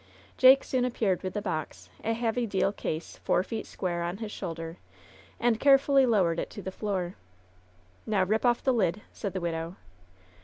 Jake soon appeared with the box — a heavy deal case, four feet square — on his shoulder, and carefully lowered it to the floor. '^oW rip off the lid," said the widow.